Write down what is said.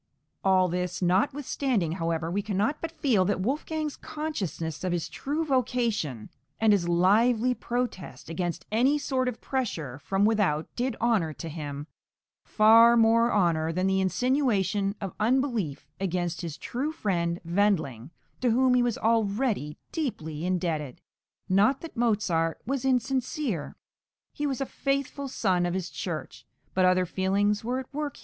All this notwithstanding, however, we cannot but feel that Wolfgang's consciousness of his true vocation and his lively protest against any sort of pressure from without did honour to him, far more honour than the insinuation of unbelief against his true friend Wendling, to whom he was already deeply indebted. Not that Mozart was insincere he was a faithful son of his Church but other feelings were at work {REPROACHES AND EXPLANATIONS.